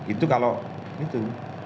itu kalau itu